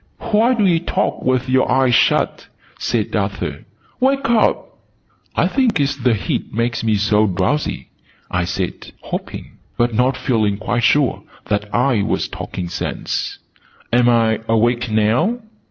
"Why do you talk with your eyes shut?" said Arthur. "Wake up!" "I think it's the heat makes me so drowsy," I said, hoping, but not feeling quite sure, that I was talking sense. "Am I awake now?"